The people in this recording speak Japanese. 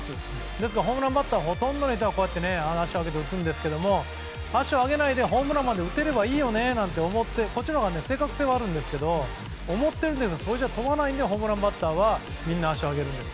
ですからホームランバッターほとんどの人が足を上げて打つんですけど足を上げないでホームランまで打てればいいよねと思ってこっちのほうが正確性はあるんですけど思っているより飛ばないホームランバッターはみんな足を上げるんです。